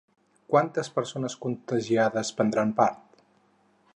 Quantes persones contagiades prendran part?